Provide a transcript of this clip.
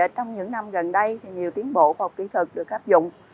trong những năm gần đây nhiều tiến bộ và kỹ thuật được áp dụng